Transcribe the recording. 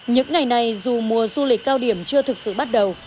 những ngày này dù mùa du lịch cao điểm chưa thực sự bắt đầu